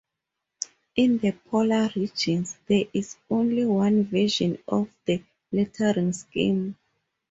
In the polar regions, there is only one version of the lettering scheme.